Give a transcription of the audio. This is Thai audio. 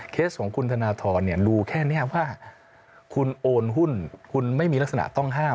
ของคุณธนทรรู้แค่นี้ว่าคุณโอนหุ้นคุณไม่มีลักษณะต้องห้าม